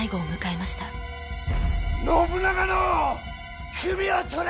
信長の首を取れ！